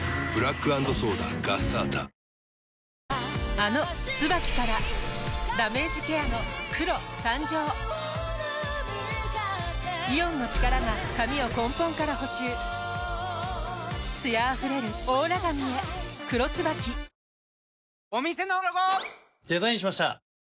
あの「ＴＳＵＢＡＫＩ」からダメージケアの黒誕生イオンの力が髪を根本から補修艶あふれるオーラ髪へ「黒ＴＳＵＢＡＫＩ」女性）